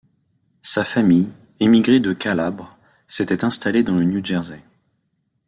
Sa famille, émigrée de Calabre, s'était installée dans le New Jersey.